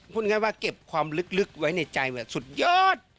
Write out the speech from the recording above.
พูดง่ายว่าเก็บความลึกไว้ในใจแบบสุดยอด